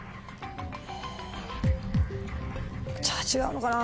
じゃあ違うのかな